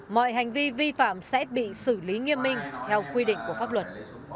mọi hành vi vi phạm sẽ bị xử lý nghiêm minh theo quy định của pháp luật